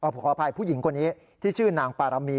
ขออภัยผู้หญิงคนนี้ที่ชื่อนางปารมี